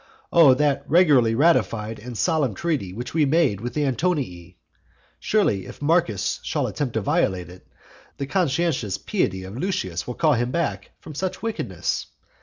Oh that regularly ratified and solemn treaty which we made with the Antonii! Surely if Marcus shall attempt to violate it, the conscientious piety of Lucius will call him back from such wickedness.